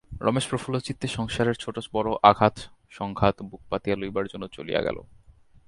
রমেশ প্রফুল্লচিত্তে সংসারের ছোটো-বড়ো আঘাত-সংঘাত বুক পাতিয়া লইবার জন্য চলিয়া গেল।